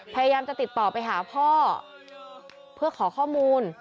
พยายามจะติดต่อไปหาพ่อเพื่อขอข้อมูล